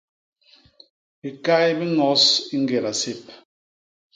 Bikay bi ños i ñgéda sép.